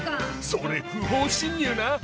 それ不法侵入な。